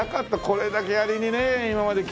これだけやりにね